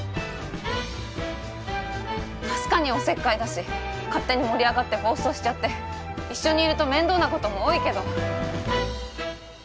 確かにおせっかいだし勝手に盛り上がって暴走しちゃって一緒にいると面倒な事も多いけど。